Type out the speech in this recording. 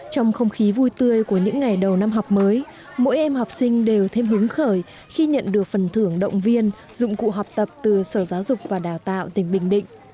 trong không khí vui tươi của những ngày đầu năm học mới mỗi em học sinh đều thêm hứng khởi khi nhận được phần thưởng động viên dụng cụ học tập từ sở giáo dục và đào tạo tỉnh bình định